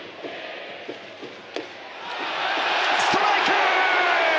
ストライク！